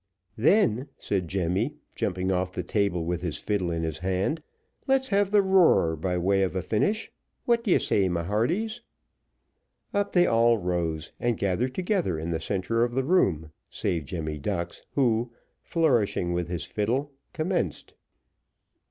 "Then," said Jemmy, jumping off the table with his fiddle in his hand, "let's have the roarer by way of a finish what d'ye say, my hearties?" Up they all rose, and gathered together in the centre of the room, save Jemmy Ducks, who, flourishing with his fiddle, commenced.